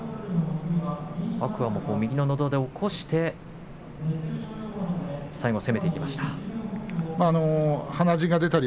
天空海は右ののど輪で起こして最後、攻めていきました。